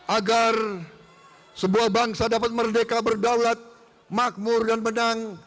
agar sebuah bangsa dapat merdeka berdaulat makmur dan menang